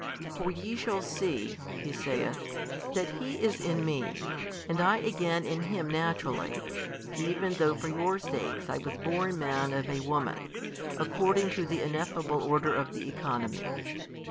For ye shall see (He saith) that He is in Me, and I again in Him Naturally, even though for your sakes I was born Man of a woman, according to the Ineffable order of the economy.